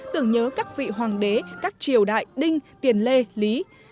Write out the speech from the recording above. tưởng nhớ các vị hoàng đế các triều đại đinh tiền lê lý